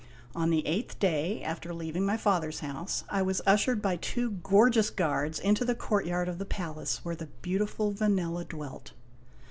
On the eighth day after leaving my father's house, I was ushered by two gorgeous guards into the courtyard of the palace where the beautiful Vanella dwelt.